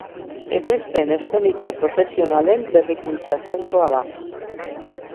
Ekoizpen eszeniko profesionalen berrikuntza zentroa da.